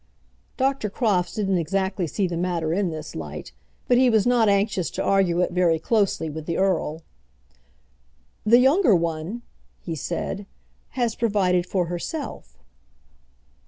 Dr. Crofts didn't exactly see the matter in this light, but he was not anxious to argue it very closely with the earl. "The younger one," he said, "has provided for herself."